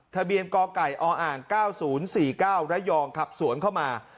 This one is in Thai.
ทะเบียนกไก่ออ่าง๙๐๔๙ระยองขับสวนเข้ามา